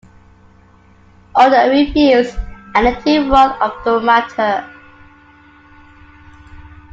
Odo refused and the two warred over the matter.